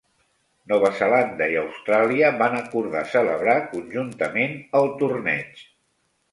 Nova Zelanda i Austràlia van acordar celebrar conjuntament el torneig.